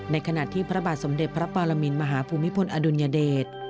ในขณะที่พระบาทสมเด็จพระปรมินมหาภูมิพลอดุลยเดช